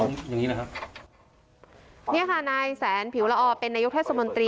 อย่างงี้นะครับเนี่ยค่ะนายแสนผิวละออเป็นนายกเทศมนตรี